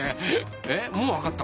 えっもうわかったの？